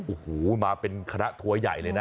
โอ้โหมาเป็นคณะทัวร์ใหญ่เลยนะ